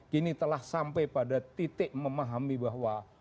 kini telah sampai pada titik memahami bahwa